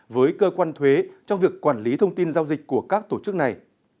với cơ quan thuế trong việc quản lý thông tin giao dịch của các tổ chức này